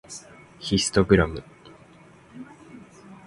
ヒストグラム